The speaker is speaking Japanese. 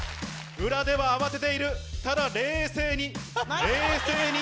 裏では慌てているただ冷静に冷静に。